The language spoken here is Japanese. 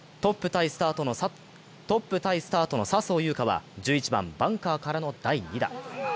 トップタイスタートの笹生優花は、１１番、バンカーからの第２打。